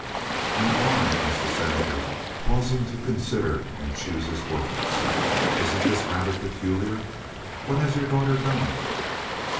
"And why?" asked the Senator, pausing to consider and choose his words. "Isn't this rather peculiar? What has your daughter done?"